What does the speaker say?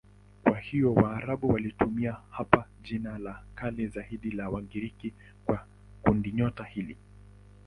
Kwa hiyo Waarabu walitumia hapa jina la kale zaidi la Wagiriki kwa kundinyota hili.